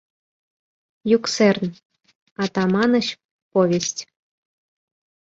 Юксерн. Атаманыч: Повесть.